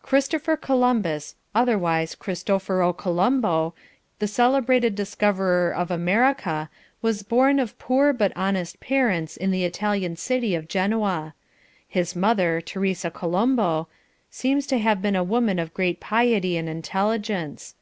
"Christopher Columbus, otherwise Christoforo Colombo, the celebrated discoverer of America, was born of poor but honest parents in the Italian city of Genoa. His mother, Teresa Colombo, seems to have been a woman of great piety and intelligence.